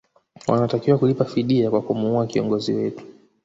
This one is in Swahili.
wanatakiwa kulipa fidia kwa kumua kiongozi wetu